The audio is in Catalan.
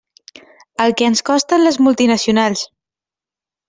El que ens costen les multinacionals.